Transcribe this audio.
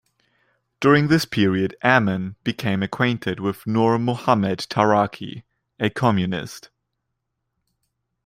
During this period Amin became acquainted with Nur Muhammad Taraki, a communist.